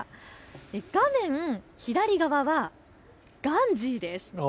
画面左側はガンジーです。